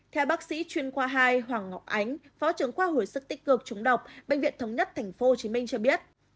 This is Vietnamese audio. theo bác sĩ chuyên khoa hai hoàng ngọc ánh phó trưởng khoa hồi sức tích cực chúng độc bệnh viện thống nhất tp hcm cho biết